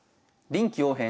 「臨機応変！